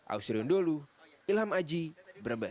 ausri undolu ilham aji brebes